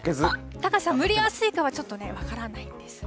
高瀬さん、蒸れやすいかは、ちょっとね、分からないんですが。